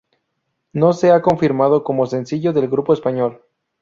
No se ha confirmado como sencillo del grupo español.